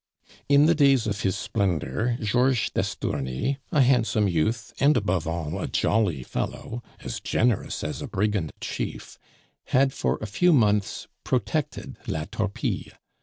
In the days of his splendor Georges d'Estourny, a handsome youth, and above all, a jolly fellow, as generous as a brigand chief, had for a few months "protected" La Torpille.